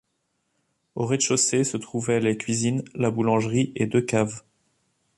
Au rez-de-chaussée se trouvaient les cuisines, la boulangerie et deux caves.